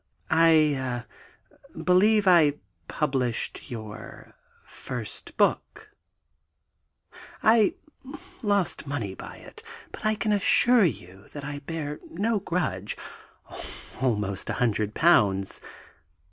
"I ... eh ... believe I published your first book ... I lost money by it, but I can assure you that I bear no grudge almost a hundred pounds.